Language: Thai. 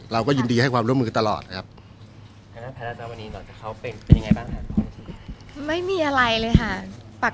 เราก็ยินดีให้ความร่วมมือตลอดนะครับอ่าแผนต์น้ำวันนี้หลังจากเขาเป็นเป็นยังไงบ้าง